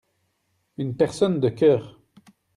Une personne de cœur.